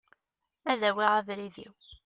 Ad awiɣ abrid-iw.